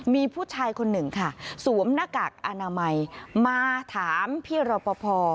มีผู้ชายคนหนึ่งค่ะสวมหน้ากากอนามัยมาถามพี่รอปภ